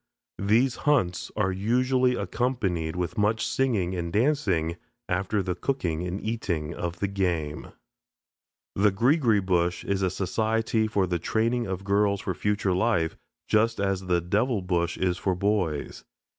These hunts are usually accompanied with much singing and dancing, after the cooking and eating of the game. The "Greegree Bush" is a society for the training of girls for future life, just as the "Devil Bush" is for boys.